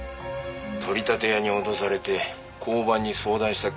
「取り立て屋に脅されて交番に相談した記録が残ってた」